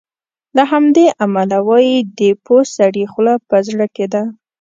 له همدې امله وایي د پوه سړي خوله په زړه کې ده.